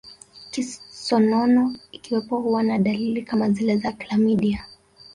Kisonono ikiwepo huwa na dalili kama zile za klamidia